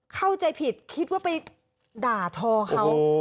เข้าใจผิดคิดว่าไปด่าทอเขา